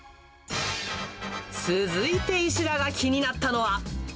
続いて石田が気になったのは。